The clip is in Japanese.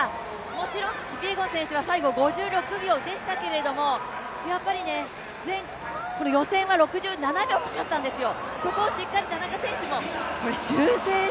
もちろんキピエゴン選手は最後５６秒でしたけれども、予選は６７秒かかったんですよ。